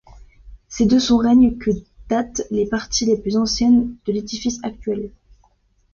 C'est de son règne que datent les parties les plus anciennes de l'édifice actuel.